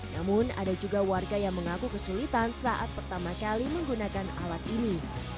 namun ada juga warga yang mengaku kesulitan saat pertama kali menggunakan alat ini